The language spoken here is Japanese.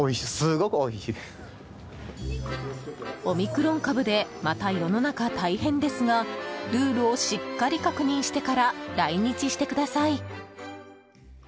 オミクロン株でまた世の中、大変ですがルールをしっかり確認してから来日してください。